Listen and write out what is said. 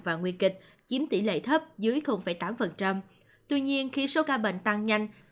và nguy kịch chiếm tỷ lệ thấp dưới tám tuy nhiên khi số ca bệnh tăng nhanh